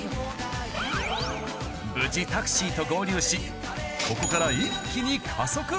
無事タクシーと合流しここから一気に加速。